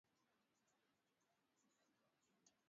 i tunaowatuma ni kwamba watulete maendeleo